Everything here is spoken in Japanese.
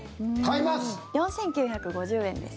４９５０円です。